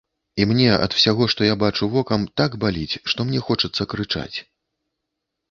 І мне ад усяго, што я бачу вокам, так баліць, што мне хочацца крычаць.